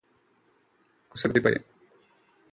കുസൃതി പയ്യൻ